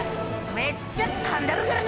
めっちゃかんだるからね！